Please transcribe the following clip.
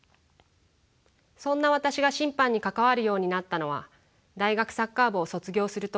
そんな私が審判に関わるようになったのは大学サッカー部を卒業する時。